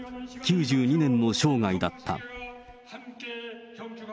９２年の生涯だった。